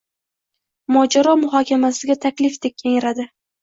mojaro muhokamasiga taklifdek yangradi.